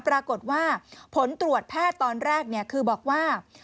ปรากฏว่าผลตรวจแพทย์ตอนแรกคือบอกว่า